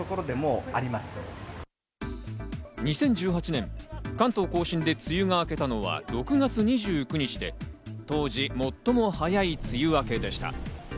２０１８年、関東甲信で梅雨が明けたのは６月２９日で、当時最も早い梅雨明けでした。